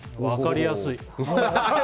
分かりやすい！